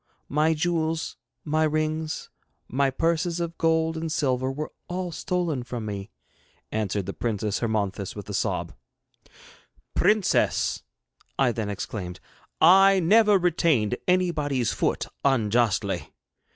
My jewels, my rings, my purses of gold and silver were all stolen from me,' answered the Princess Hermonthis with a sob. 'Princess,' I then exclaimed, 'I never retained anybody's foot unjustly.